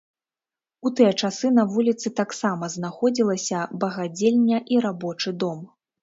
У тыя часы на вуліцы таксама знаходзілася багадзельня і рабочы дом.